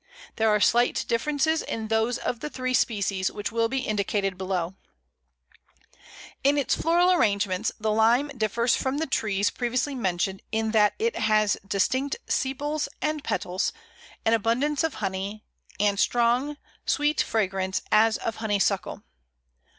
There are slight differences in those of the three species, which will be indicated below. [Illustration: Lime.] In its floral arrangements the Lime differs from the trees previously mentioned in that it has distinct sepals and petals, an abundance of honey, and strong, sweet fragrance as of Honeysuckle.